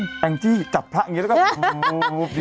อุ๊ยแอ้งจี้จับพระอย่างนี้